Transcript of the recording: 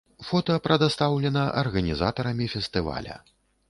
Фота прадастаўлена арганізатарамі фестываля.